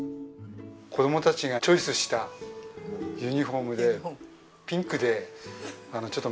子供たちがチョイスしたユニホームでピンクでちょっと目立つように。